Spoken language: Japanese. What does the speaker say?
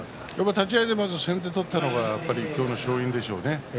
立ち合いで先手を取ったのが今日の勝因でしょうね。